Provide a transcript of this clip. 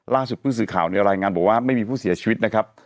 ล่าสุดผู้สื่อข่าวในรายงานบอกว่าไม่มีผู้เสียชีวิตนะครับ